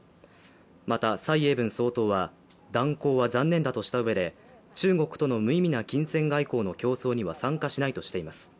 また、蔡英文総統は断交は残念だとしたうえで中国との無意味な金銭外交の競争には参加しないとしています。